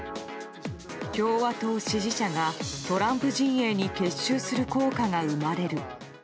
共和党支持者がトランプ陣営に結集する効果が生まれる。